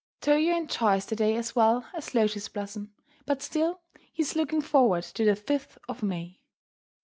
Toyo enjoys the day as well as Lotus Blossom, but still he is looking forward to the fifth of May.